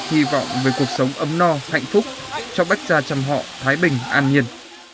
hy vọng về cuộc sống ấm no hạnh phúc cho bách gia trầm họ thái bình an nhiên